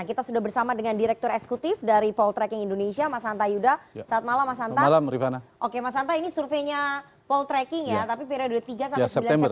oke mas anta ini surveinya poltreking ya tapi periode tiga sampai sembilan september